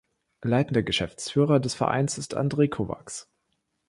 Leitender Geschäftsführer des Vereins ist Andrei Kovacs.